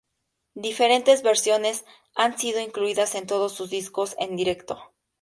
Diferentes versiones han sido incluidas en todos sus discos en directo.